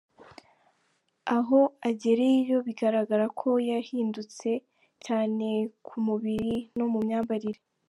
Aho agereyeyo bigaragara ko yahindutse cyane ku mubiri no mu myambarire.